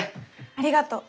ありがとう。